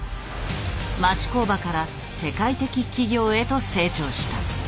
町工場から世界的企業へと成長した。